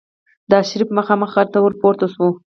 د آرشیف مخامخ غره ته ور پورته شوو.